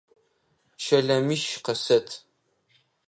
Щэлэмищ къысэт!